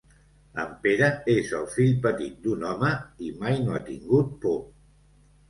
En Pere és el fill petit d'un home i mai no ha tingut por.